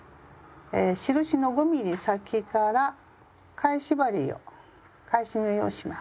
印の５ｍｍ先から返し針を返し縫いをします。